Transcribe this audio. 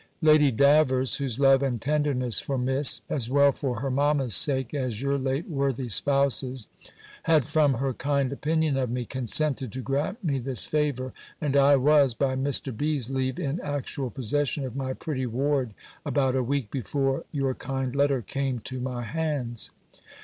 "Lady Davers, whose love and tenderness for Miss, as well for her mamma's sake, as your late worthy spouse's, had, from her kind opinion of me, consented to grant me this favour: and I was, by Mr. B.'s leave, in actual possession of my pretty ward about a week before your kind letter came to my hands.